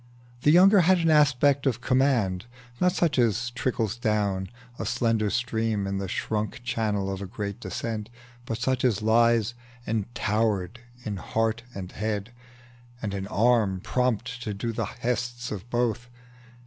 The younger had an aspect of command, Not such as trickles down, a slender stream, In the shrunk channel of a great descent, But such as lies entowered in heart and head, And an arm prompt to do the 'hests of both.